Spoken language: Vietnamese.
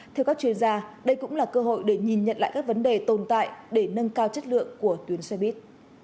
theo các chuyên gia đây cũng là cơ hội để nhìn nhận lại các vấn đề tồn tại để nâng cao chất lượng của tuyến xe buýt